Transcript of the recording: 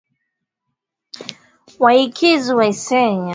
Waikizu Waisenye Waikoma Wakwaya Waluli Washashi Wanata na Wasweta